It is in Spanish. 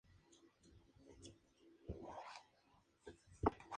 La mola salsa se empleaba en el Imperio romano como un elemento ritual.